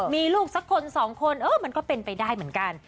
มีลูกสักคนสองคนเออมันก็เป็นไปได้เหมือนกัน